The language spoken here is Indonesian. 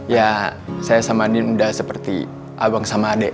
ya saya sama andin udah seperti abang sama adek